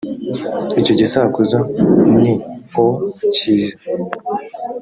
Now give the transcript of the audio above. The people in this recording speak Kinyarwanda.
icyo gisakuzo nio cyiza